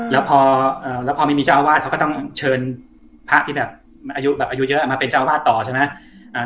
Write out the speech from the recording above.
แล้วพอแล้วพอไม่มีเจ้าอาวาสเขาก็ต้องเชิญพระที่แบบอายุแบบอายุเยอะมาเป็นเจ้าวาดต่อใช่ไหม